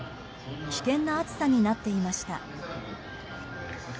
危険な暑さになっていました。